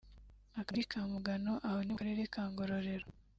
Akagari ka Mugano aho ni mu Karere ka Ngororero